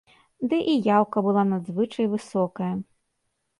Ды і яўка была надзвычай высокая.